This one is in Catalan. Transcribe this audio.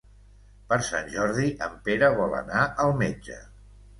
Per Sant Jordi en Pere vol anar al metge.